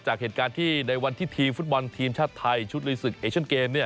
จากเหตุการณ์ที่ในวันที่ทีมฟุตบอลทีมชาติไทยชุดลุยศึกเอเชียนเกม